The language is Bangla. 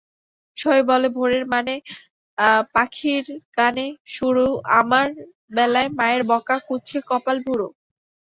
সবাই বলে ভোরের মানে পাখির গানে শুরুআমার বেলায় মায়ের বকা, কুঁচকে কপাল, ভুরু।